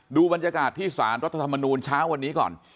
ดูบรรยากาศที่สารรัฐธรรมนูลเช้าวันนี้ก่อน